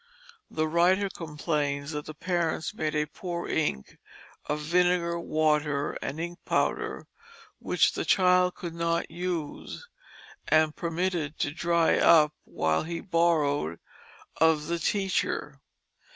The writer complains that the parents made a poor ink of vinegar, water, and ink powder, which the child could not use, and permitted to dry up while he borrowed of the teacher.